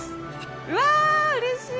うわうれしい！